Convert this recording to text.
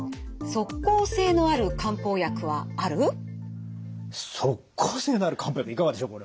即効性のある漢方薬いかがでしょう